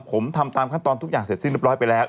ผมทำตามขั้นตอนทุกอย่างเสร็จสิ้นเรียบร้อยไปแล้ว